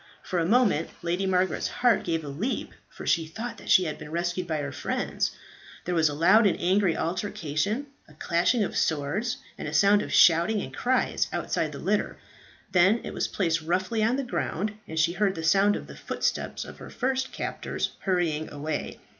For a moment Lady Margaret's heart gave a leap, for she thought that she had been rescued by her friends. There was a loud and angry altercation, a clashing of swords, and a sound of shouting and cries outside the litter. Then it was placed roughly on the ground, and she heard the sound of the footsteps of her first captors hurrying away.